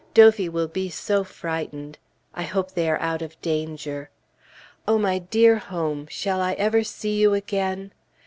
Dophy will be so frightened. I hope they are out of danger. Oh, my dear home! shall I ever see you again?